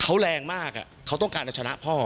เขาแรงมากเขาต้องการเอาชนะพ่อ